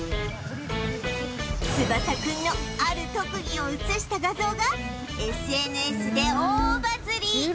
ツバサくんのある特技を写した画像が ＳＮＳ で大バズり！